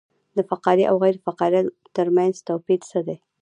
د فقاریه او غیر فقاریه ترمنځ توپیر څه دی